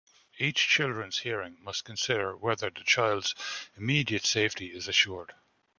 Each Children's Hearing must consider whether the child's immediate safety is assured.